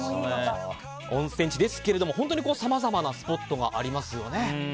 温泉地ですけれども本当にさまざまなスポットがありますね。